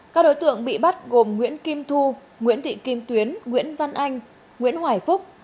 các đối tượng bị bắt gồm nguyễn kim thu nguyễn thị kim tuyến nguyễn văn anh nguyễn hoài phúc